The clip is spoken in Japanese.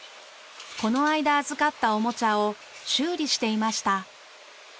この間預かったおもちゃを修理していました。